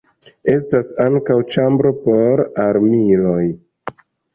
Estas ankaŭ ĉambro por armiloj.